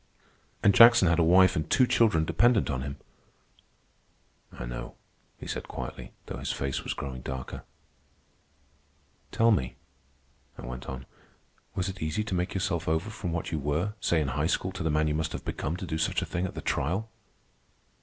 "And Jackson had a wife and two children dependent on him." "I know," he said quietly, though his face was growing darker. "Tell me," I went on, "was it easy to make yourself over from what you were, say in high school, to the man you must have become to do such a thing at the trial?"